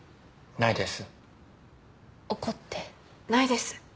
ないです。